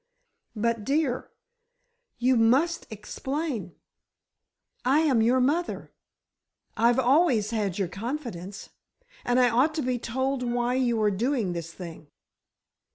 "But, dear, you must explain. I am your mother—I've always had your confidence, and I ought to be told why you are doing this thing."